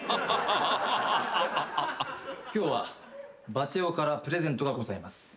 今日はバチェ男からプレゼントがございます。